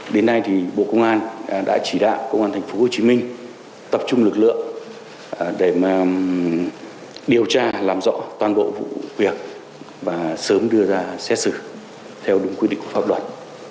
đến nay thì bộ công an đã chỉ đạo công an tp hcm tập trung lực lượng để điều tra làm rõ toàn bộ vụ việc và sớm đưa ra xét xử theo đúng quy định của pháp luật